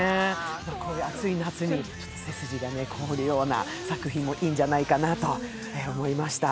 こういう暑い夏に背筋も凍るような映画もいいんじゃないかなと思いましたね。